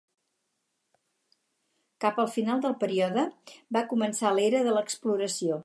Cap al final del període, va començar l'Era de l'exploració.